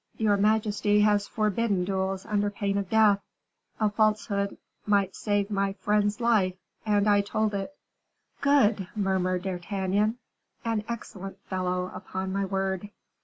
Your majesty has forbidden duels under pain of death. A falsehood might save my friend's life, and I told it." "Good!" murmured D'Artagnan, "an excellent fellow, upon my word."